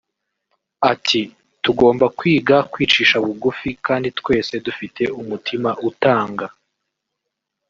Ati“Tugomba kwiga kwicisha bugufi kandi twese dufite umutima utanga